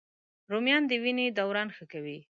رومیان د وینې دوران ښه کوي